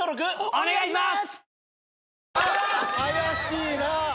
お願いします。